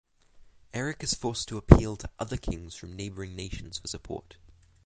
Eryk is forced to appeal to other kings from neighboring nations for support.